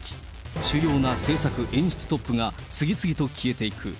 主要な制作、演出トップが次々と消えていく。